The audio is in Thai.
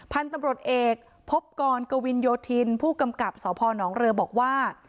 พันธุ์ตำรวจเอกพบกรกวินโยธินผู้กำกับสพนเรือบอกว่า